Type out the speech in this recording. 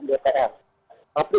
tapi untuk krisisnya belum